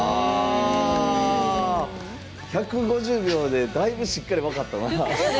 １５０秒でだいぶしっかり分かったな。